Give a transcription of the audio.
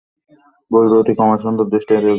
ভুল-ত্রুটি ক্ষমাসুন্দর দৃষ্টিতে দেখবেন।